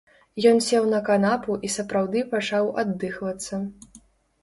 Ён сеў на канапу і сапраўды пачаў аддыхвацца.